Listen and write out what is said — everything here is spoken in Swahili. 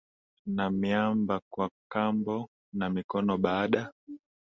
na miamba kwa kamba na mikono Baada